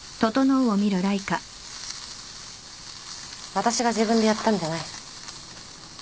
私が自分でやったんじゃない。